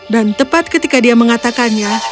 dan tepat ketika dia mengatakannya